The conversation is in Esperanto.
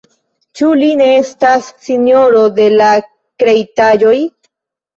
Ĉu li ne estas sinjoro de la kreitaĵoj?